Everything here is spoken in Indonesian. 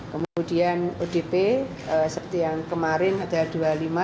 kemudian odp seperti yang kemarin ada dua puluh lima